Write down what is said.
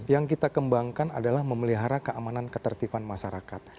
yang kita kembangkan adalah memelihara keamanan ketertiban masyarakat